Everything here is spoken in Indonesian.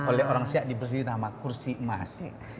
oleh orang siak diberi nama kursi emas